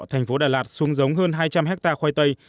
thành phố đà lạt xuống giống hơn hai trăm linh hectare khoai tây